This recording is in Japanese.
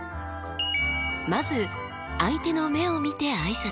まず相手の目を見て挨拶。